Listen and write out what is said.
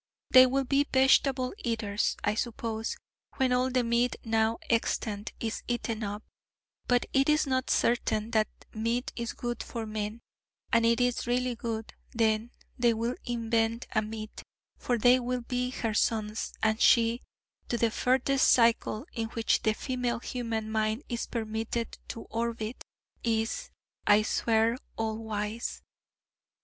They will be vegetable eaters, I suppose, when all the meat now extant is eaten up: but it is not certain that meat is good for men: and if it is really good, then they will invent a meat: for they will be her sons, and she, to the furthest cycle in which the female human mind is permitted to orbit, is, I swear, all wise.